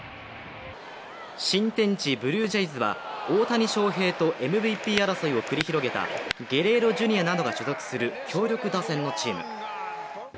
新天地・ブルージェイズは大谷翔平とＭＶＰ争いを繰り広げたゲレーロジュニアなどが所属する強力打線のチーム。